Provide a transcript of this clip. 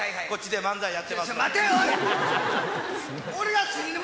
こっちで漫才やってますんで。